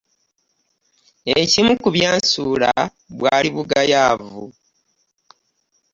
Ekimu ku byansuula bwali bugayaavu.